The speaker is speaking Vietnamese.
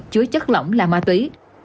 chứa chất lỏng là ma túy